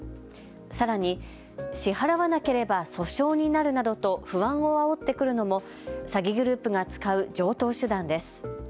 さらに支払わなければ訴訟になるなどと不安をあおってくるのも詐欺グループが使う常とう手段です。